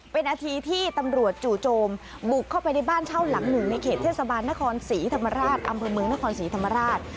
เป็นอาทีที่ตำรวจจุโจมบุกเข้าไปได้บ้านเช่าหลังหนูในเขตเทศบาลอำเภอเมืองณครศรีธรรมราช